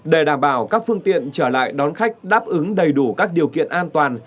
để đảm bảo các phương tiện trở lại đón khách đáp ứng đầy đủ các điều kiện an toàn